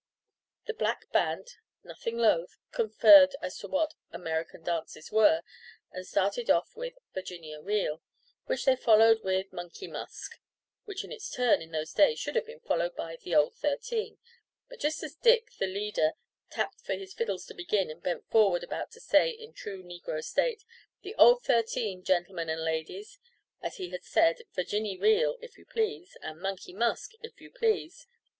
The black band, nothing loath, conferred as to what "American dances" were, and started off with "Virginia Reel," which they followed with "Money Musk," which, in its turn in those days, should have been followed by "The Old Thirteen." But just as Dick, the leader, tapped for his fiddles to begin, and bent forward, about to say, in true negro state, "'The Old Thirteen,' gentlemen and ladies!" as he had said "'Virginny Reel,' if you please!" and "'Money Musk,' if you please!"